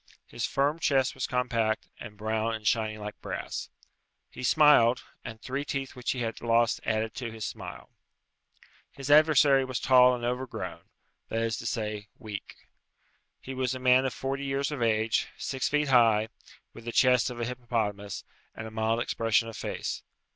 His firm chest was compact, and brown and shining like brass. He smiled, and three teeth which he had lost added to his smile. His adversary was tall and overgrown that is to say, weak. He was a man of forty years of age, six feet high, with the chest of a hippopotamus, and a mild expression of face.